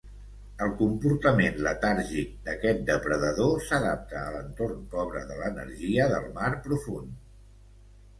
El comportament letàrgic d'aquest depredador s'adapta a l'entorn pobre de l'energia del mar profund.